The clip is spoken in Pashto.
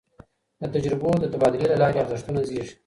د تجربو د تبادلې له لاري ارزښتونه زېږي.